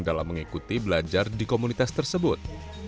dalam mengikuti belajar di komunitas tersebut